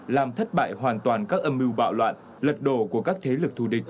làm thất bại hoàn toàn các âm mưu bạo loạn lật đổ của các thế lực thù địch